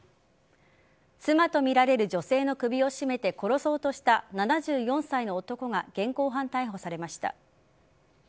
妻とみられる女性の首を絞めて殺そうとした７４歳の男が現行犯逮捕されました。